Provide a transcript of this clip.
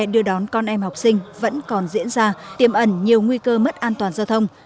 đưa đón con em học sinh vẫn còn diễn ra tiêm ẩn nhiều nguy cơ mất an toàn giao thông